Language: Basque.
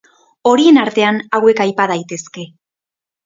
Horien artean hauek aipa daitezke.